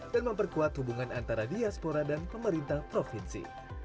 dan memperkuat hubungan antara diaspora dan pemerintah provinsi